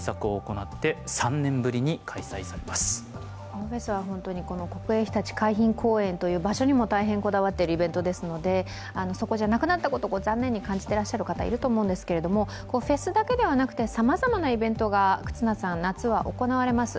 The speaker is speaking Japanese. このフェスは国営ひたち海浜公園という場所にも大変こだわっているイベントですので、そこじゃなくなったこと、残念に感じてらっしゃる方いると思うんですけどフェスだけではなく、さまざまなイベントが夏は行われます。